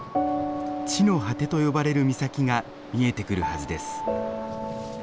地の果てと呼ばれる岬が見えてくるはずです。